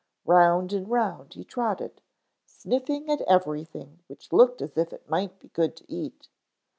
Round and round he trotted, sniffing at everything which looked as if it might be good to eat.